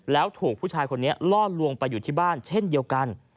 แล้วถูกผู้ชายคนนี้ล่อลวงไปอยู่ที่บ้านเช่นเดียวกัน